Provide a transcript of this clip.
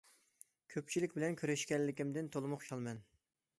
كۆپچىلىك بىلەن كۆرۈشكەنلىكىمدىن تولىمۇ خۇشالمەن.